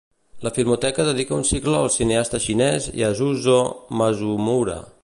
La Filmoteca dedica un cicle al cineasta xinès Yasuzô Masumura.